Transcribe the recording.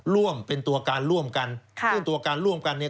ร่วมเป็นตัวการร่วมกันค่ะซึ่งตัวการร่วมกันเนี่ย